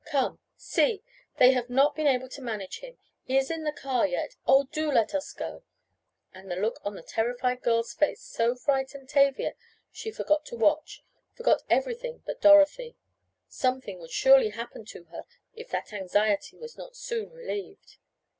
Come: See, they have not been able to manage him. He is in the car yet. Oh, do let us go!" and the look on the terrified girl's face so frightened Tavia she forgot to watch, forgot everything but Dorothy something would surely happen to her if that anxiety was not soon relieved.